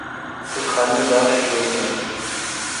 تو کھال می گانتھ شوک دین۔